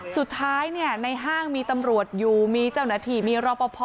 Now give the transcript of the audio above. สุดท้ายในห้างมีตำรวจอยู่มีเจ้าหน้าที่มีรอปภ